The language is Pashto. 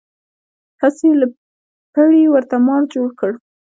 هسې یې له پړي ورته مار جوړ کړ.